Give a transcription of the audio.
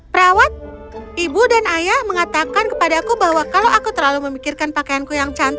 perawat ibu dan ayah mengatakan kepada aku bahwa kalau aku terlalu memikirkan pakaianku yang cantik